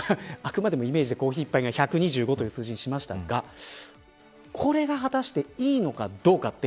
あくまでもイメージでコーヒー１杯が１２５という数字にしましたがこれが果たしていいのかどうか。